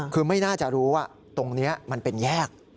คือไม่น่าจะรู้ว่าตรงนี้มันเป็นแยก